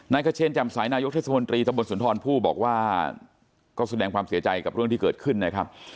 ขเชนจำสายนายกเทศมนตรีตะบนสุนทรผู้บอกว่าก็แสดงความเสียใจกับเรื่องที่เกิดขึ้นนะครับ